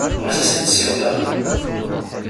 Ɣas ad sen-tsiwleḍ?